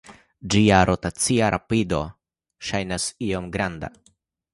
Ĝia rotacia rapido ŝajnas iom granda.